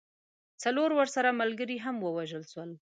څلور ورسره ملګري هم ووژل سول.